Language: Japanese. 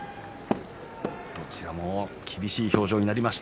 どちらも厳しい表情です。